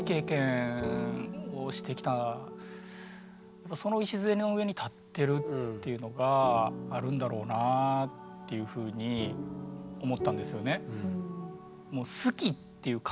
僕はその話を聞いてっていうのがあるんだろうなぁっていうふうに思ったんですよね。